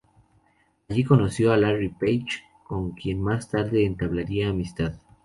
Allí conoció a Larry Page, con quien más tarde entablaría amistad.